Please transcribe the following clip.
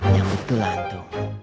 yang betul hantu